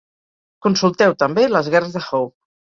Consulteu també les guerres de Haw.